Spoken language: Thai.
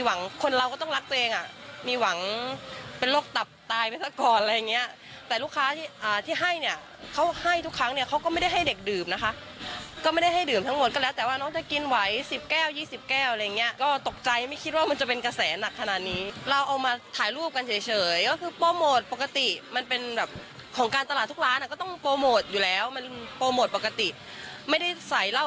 หวังคนเราก็ต้องรักตัวเองอ่ะมีหวังเป็นโรคตับตายไปซะก่อนอะไรอย่างเงี้ยแต่ลูกค้าที่อ่าที่ให้เนี้ยเขาให้ทุกครั้งเนี้ยเขาก็ไม่ได้ให้เด็กดื่มนะคะก็ไม่ได้ให้ดื่มทั้งหมดก็แล้วแต่ว่าน้องจะกินไว้สิบแก้วยี่สิบแก้วอะไรอย่างเงี้ยก็ตกใจไม่คิดว่ามันจะเป็นกระแสหนักขนาดนี้เราเอามาถ่ายรูปกันเฉยเฉยก็คือโ